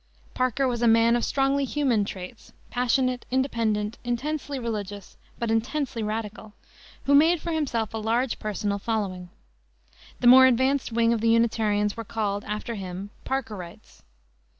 Parker was a man of strongly human traits, passionate, independent, intensely religious, but intensely radical, who made for himself a large personal following. The more advanced wing of the Unitarians were called, after him, "Parkerites."